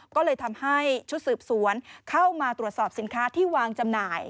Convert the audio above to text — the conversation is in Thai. ก็เลยทำให้ชุดสืบสวนเข้ามาตรวจสอบสินค้าที่วางจำหน่าย